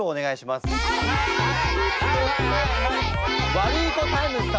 ワルイコタイムス様。